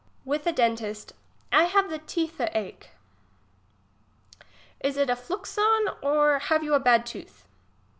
IVith a dentist. I have the teetht ache. Is it a fluxion, or have you a bad tooth